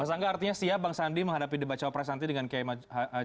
mas angga artinya siap bang sandi menghadapi debat cawapres nanti dengan kmh jawa perman